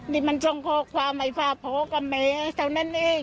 นี่มันจงโคคความไอฟ้าโผกับแม่เท่านั้นเอง